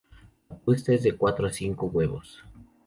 La puesta es de cuatro a cinco huevos.